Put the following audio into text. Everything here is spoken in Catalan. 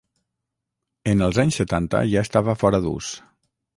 En els anys setanta ja estava fora d'ús.